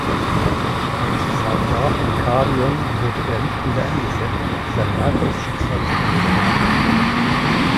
Als Satrap in Karien wurde er nicht wieder eingesetzt; sein weiteres Schicksal ist unbekannt.